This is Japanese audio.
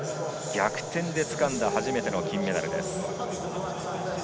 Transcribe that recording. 逆転でつかんで初めての金メダル。